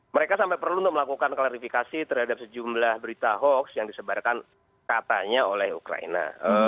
mereka sampai perlu untuk melakukan klarifikasi terhadap sejumlah berita hoax yang disebarkan katanya oleh ukraina